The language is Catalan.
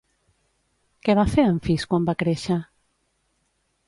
Què va fer Amfís quan va créixer?